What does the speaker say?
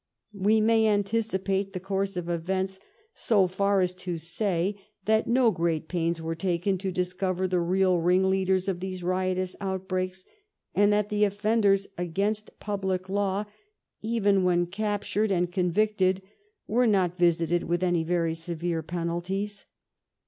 We may an ticipate the course of events so far as to say that no great pains were taken to discover the real ringleaders of these riotous outbreaks, and that the offenders against public law, even when captured and convicted, were not visited with any very severe penalties.